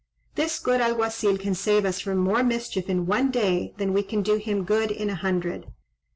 This good Alguazil can save us from more mischief in one day than we can do him good in a hundred."